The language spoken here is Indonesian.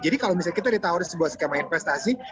jadi kalau misalnya kita ditawarkan sebuah skema investasi